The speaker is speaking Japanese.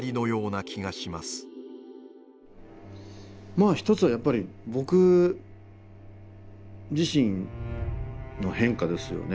まあ一つはやっぱり僕自身の変化ですよね。